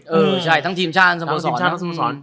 เออใช่ทั้งทีมชาติทั้งสมสรรค์